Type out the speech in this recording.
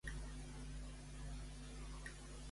Qui l'hauria establert, segons Pausànias i Estrabó?